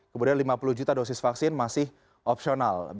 kemudian lima puluh juta dosis vaksin masih opsional